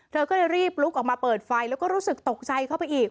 เธอก็เลยรีบลุกออกมาเปิดไฟแล้วก็รู้สึกตกใจเข้าไปอีก